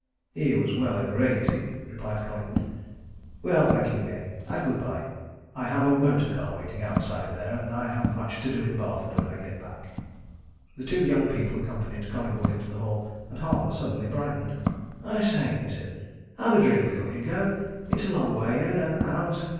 "He was well over eighty," replied Collingwood. "Well, thank you again and good bye I have a motorcar waiting outside there, and I have much to do in Barford when I get back." The two young people accompanied Collingwood into the hall. And Harper suddenly brightened. "I say!" he said. "Have a drink before you go. It's a long way in and out.